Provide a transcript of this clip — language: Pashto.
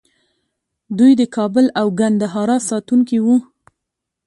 دوی د کابل او ګندهارا ساتونکي وو